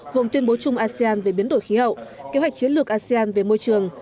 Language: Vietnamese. gồm tuyên bố chung asean về biến đổi khí hậu kế hoạch chiến lược asean về môi trường